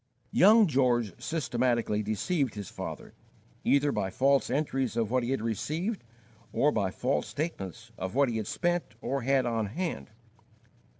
Young George systematically deceived his father, either by false entries of what he had received, or by false statements of what he had spent or had on hand.